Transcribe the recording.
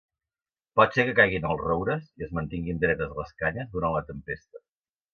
Pot ser que caiguin els roures i es mantinguin dretes les canyes durant la tempesta.